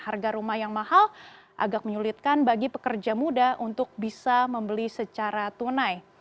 harga rumah yang mahal agak menyulitkan bagi pekerja muda untuk bisa membeli secara tunai